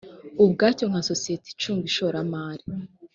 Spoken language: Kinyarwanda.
ubwacyo nka sosiyete icunga ishoramari